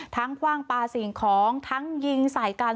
ทั้งพ่วงปลาสิ่งของทั้งยิงสายกัน